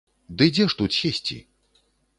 Ды дзе ж тут сесці?